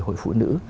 hội phụ nữ